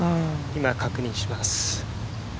今、確認します。